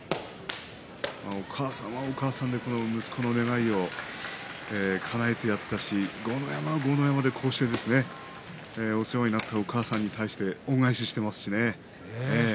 お母さんはお母さんで息子の願いをかなえてやったし豪ノ山は豪ノ山でこうしてお世話になったお母さんに対して恩返ししていますよね。